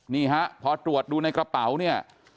นี่ฮะพอตรวจดูในกระเป๋าเนี่ย